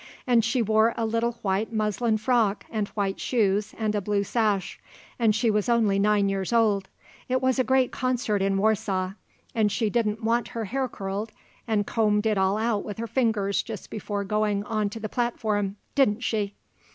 "And she wore a little white muslin frock and white shoes and a blue sash; she was only nine years old; it was a great concert in Warsaw. And she didn't want her hair curled, and combed it all out with her fingers just before going on to the platform didn't she?"